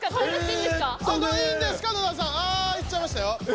あ行っちゃいましたよ。